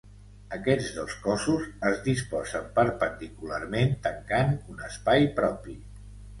Aquests dos cossos es disposen perpendicularment tancant un espai propi.